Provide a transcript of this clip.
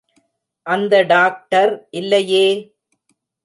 அந்த டாக்டர் இல்லையே!